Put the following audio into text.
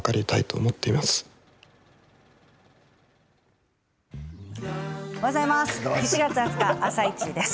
おはようございます。